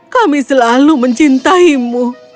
kami selalu mencintaimu